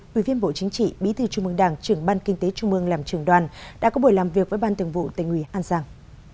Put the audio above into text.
quy viên bộ chính trị bí thư trung mương đảng trưởng ban kinh tế trung mương làm trường đoàn đã có buổi làm việc với ban tường vụ tây nguyên an giang